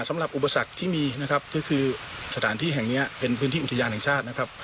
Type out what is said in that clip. สำหรับอุปสรรคที่มีถ้ามีพื้นที่อาหารเป็นอุทยาแห่งชาติ